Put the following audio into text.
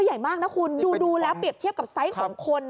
ใหญ่มากนะคุณดูแล้วเปรียบเทียบกับไซส์ของคน